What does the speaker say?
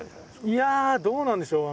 いやあどうなんでしょう。